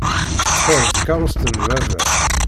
Ta d takerrust n baba.